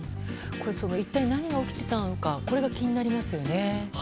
一体何が起きていたのかが気になりますよね。